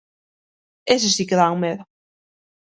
Eses si que dan medo.